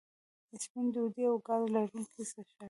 سپینې ډوډۍ او ګاز لرونکي څښاک